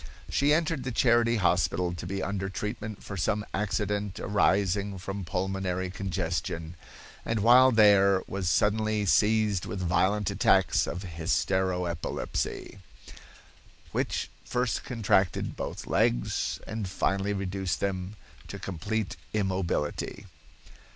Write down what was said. She entered the Charity hospital to be under treatment for some accident arising from pulmonary congestion, and while there was suddenly seized with violent attacks of hystero epilepsy, which first contracted both legs, and finally reduced them to complete immobility.